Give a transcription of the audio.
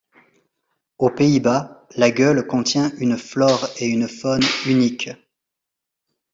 Aux Pays-Bas, la Gueule contient une flore et une faune uniques.